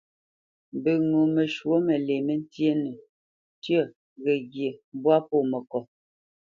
Mbə ŋo məshwǒ məlě məntyénə: tyə̂, ghəghye, mbwâ pô məkot.